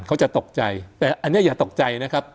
เขาจะตกใจแต่อันนี้อย่าตกใจนะครับ